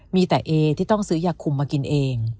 มีแต่เอที่ต้องซื้อยาคุมมากินเอง